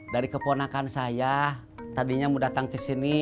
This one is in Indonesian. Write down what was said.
dari keponakan saya tadinya mau datang kesini